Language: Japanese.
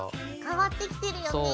変わってきてるよね。